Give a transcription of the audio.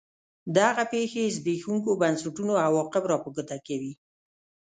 دغه پېښې زبېښونکو بنسټونو عواقب را په ګوته کوي.